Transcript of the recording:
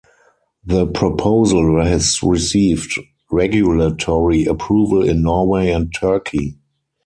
The proposal has received regulatory approval in Norway and Turkey.